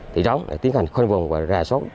thì đóng để tiến hành khuôn vùng và rà sốt